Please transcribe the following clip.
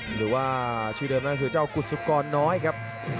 หรือว่าชื่อเดิมน้องจริงทุกคนน้อยครับ